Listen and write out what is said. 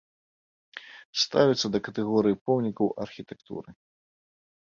Ставіцца да катэгорыі помнікаў архітэктуры.